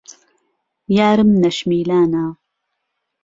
یارم نهشمیلانه